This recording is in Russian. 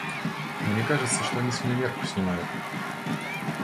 Мне кажется, что они с меня мерку снимают.